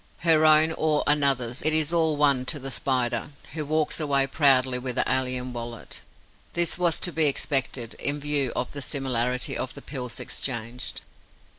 Her own or another's: it is all one to the Spider, who walks away proudly with the alien wallet. This was to be expected, in view of the similarity of the pills exchanged.